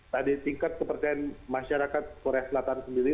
tadi tingkat kepercayaan masyarakat korea selatan sendiri